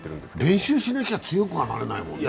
練習しなきゃ強くはなれないもんね。